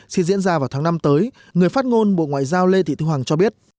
sẽ diễn ra vào tháng năm tới người phát ngôn bộ ngoại giao lê thị thu hằng cho biết